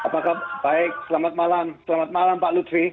apakah baik selamat malam selamat malam pak lutfi